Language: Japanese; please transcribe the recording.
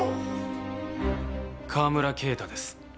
川村啓太です。